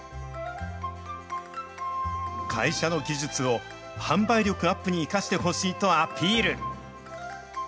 会社の技術を、販売力アップに生かしてほしいとアピール。